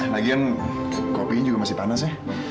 lagian kopinya juga masih panas ya